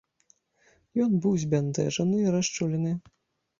Ён быў збянтэжаны і расчулены.